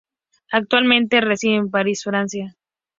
Actualmente reside en París, Francia.